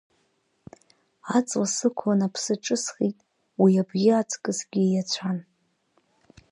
Аҵла сықәлан Аԥсы ҿысхит, уи абӷьы аҵкысгьы ииаҵәан.